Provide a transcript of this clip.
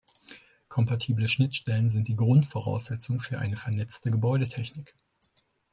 Kompatible Schnittstellen sind die Grundvoraussetzung für eine vernetzte Gebäudetechnik.